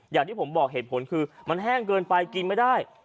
อย่างที่ผมบอกเหตุผลคือมันแห้งเกินไปกินไม่ได้